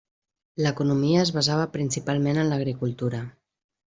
L'economia es basava principalment en l'agricultura.